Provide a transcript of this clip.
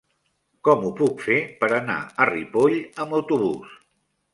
Com ho puc fer per anar a Ripoll amb autobús?